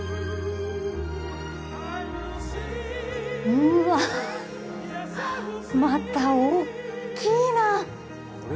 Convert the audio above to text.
うわぁ、また大っきいな。